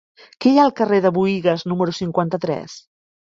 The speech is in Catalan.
Què hi ha al carrer de Buïgas número cinquanta-tres?